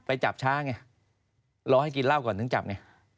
จับช้าไงรอให้กินเหล้าก่อนถึงจับไง